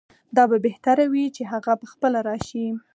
دا به بهتره وي چې هغه پخپله راشي.